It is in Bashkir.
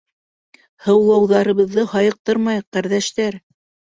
Һыулауҙарыбыҙҙы һайыҡтырмайыҡ, ҡәрҙәштәр!